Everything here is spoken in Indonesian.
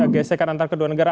gesekan antara kedua negara